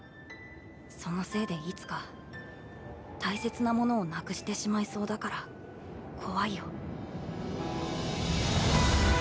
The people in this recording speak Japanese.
そのせいでいつか大切なものをなくしてしまいそうだから怖いようう！